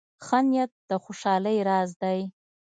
ښه نیت د خوشحالۍ راز دی.